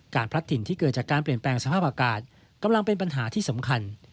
พลัดถิ่นที่เกิดจากการเปลี่ยนแปลงสภาพอากาศกำลังเป็นปัญหาที่สำคัญ